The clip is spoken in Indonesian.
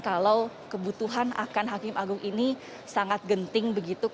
kalau kebutuhan akan hakim agung ini sangat genting begitu